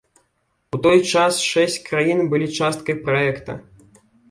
У той час шэсць краін былі часткай праекта.